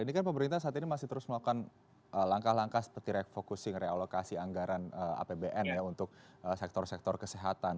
ini kan pemerintah saat ini masih terus melakukan langkah langkah seperti refocusing realokasi anggaran apbn ya untuk sektor sektor kesehatan